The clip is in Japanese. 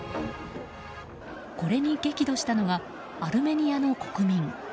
これに激怒したのがアルメニアの国民。